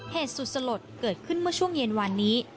เหตุสุดสลดเกิดขึ้นเมื่อช่วงเย็นวานนี้